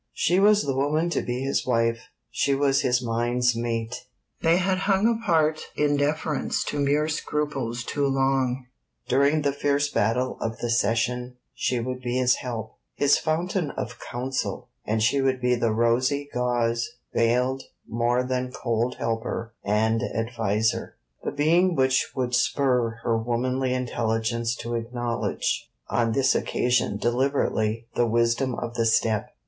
She was the woman to be his wife; she was his mind's mate: they had hung apart in deference to mere scruples too long. During the fierce battle of the Session she would be his help, his fountain of counsel; and she would be the rosy gauze veiled more than cold helper and adviser, the being which would spur her womanly intelligence to acknowledge, on this occasion deliberately, the wisdom of the step.